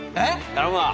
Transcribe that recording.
頼むわ。